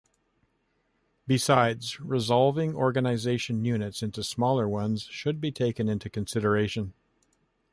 Besides, resolving organization units into smaller ones should be taken into consideration.